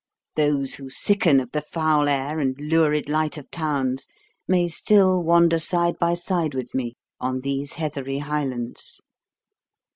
Those who sicken of the foul air and lurid light of towns may still wander side by side with me on these heathery highlands.